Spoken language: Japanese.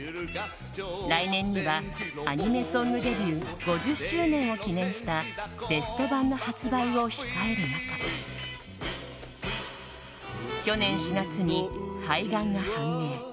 来年には、アニメソングデビュー５０周年を記念したベスト盤の発売を控える中去年４月に肺がんが判明。